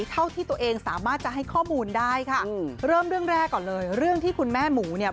เท่าที่ตัวเองสามารถจะให้ข้อมูลได้ค่ะเริ่มเรื่องแรกก่อนเลยเรื่องที่คุณแม่หมูเนี่ย